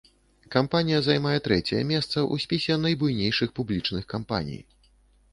Кампанія займае трэцяе месца ў спісе найбуйнейшых публічных кампаній.